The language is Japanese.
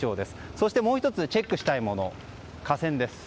そしてもう１つチェックしたいもの架線です。